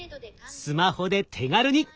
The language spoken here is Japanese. スマホで手軽に！